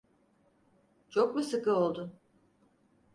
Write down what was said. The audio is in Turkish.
Çok mu sıkı oldu?